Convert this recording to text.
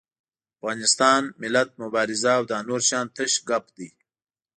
افغانستان، ملت، مبارزه او دا نور شيان تش ګپ دي.